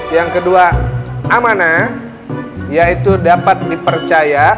yang kedua amanah yaitu dapat dipercaya